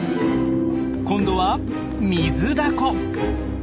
今度はミズダコ。